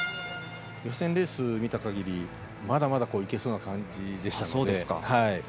予選レースを見た限りまだまだいけそうな感じでしたので。